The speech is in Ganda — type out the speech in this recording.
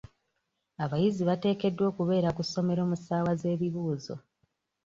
Abayizi bateekeddwa okubeera ku ssomero mu ssaawa z'ebibuuzo.